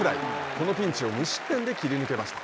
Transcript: このピンチを無失点で切り抜けました。